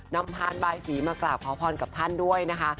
พานบายสีมากราบขอพรกับท่านด้วยนะคะ